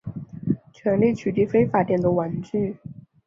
全力取缔非法电动玩具